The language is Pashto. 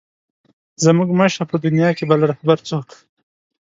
زموږ مه شه په دنیا کې بل رهبر څوک.